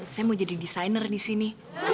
saya mau jadi desainer di sini